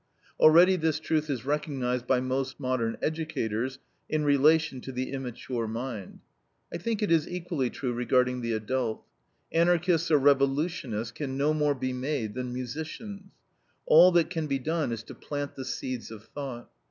Already this truth is recognized by most modern educators in relation to the immature mind. I think it is equally true regarding the adult. Anarchists or revolutionists can no more be made than musicians. All that can be done is to plant the seeds of thought.